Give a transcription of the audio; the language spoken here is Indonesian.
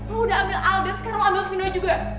lo udah ambil alden sekarang ambil vino juga